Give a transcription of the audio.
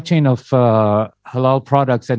jaringan pengeluaran produk halal